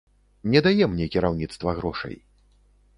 Не дае мне кіраўніцтва грошай.